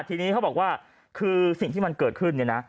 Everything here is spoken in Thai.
ทีนี้เขาบอกว่าคือสิ่งที่มันเกิดขึ้นเนี่ยนะ